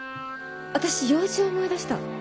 私用事思い出した。